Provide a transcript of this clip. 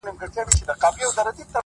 د ځان باور پرمختګ چټکوي!